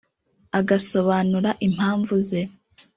agasobanura impamvu ze